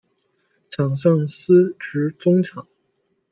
场上司职中场。